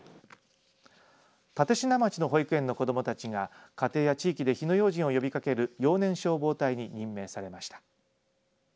立科町の保育園の子どもたちが家庭や地域で火の用心を呼びかける幼年消防隊に任命されました。